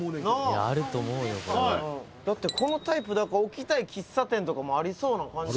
「だってこのタイプだから置きたい喫茶店とかもありそうな感じ」